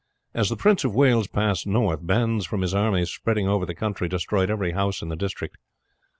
As the Prince of Wales passed north, bands from his army spreading over the country destroyed every house in the district.